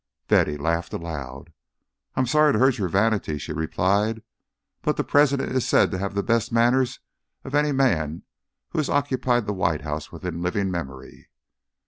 Betty had laughed aloud. "I am sorry to hurt your vanity," she replied, "but the President is said to have the best manners of any man who has occupied the White House within living memory."